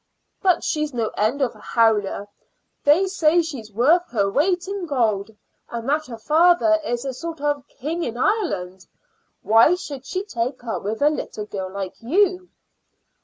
"But she's no end of a howler. They say she's worth her weight in gold, and that her father is a sort of king in Ireland. Why should she take up with a little girl like you?"